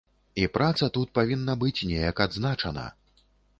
І праца тут павінна быць неяк адзначана.